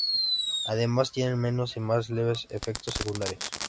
Además, tienen menos y más leves efectos secundarios.